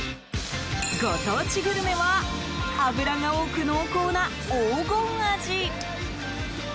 ご当地グルメは脂が多く濃厚な黄金アジ。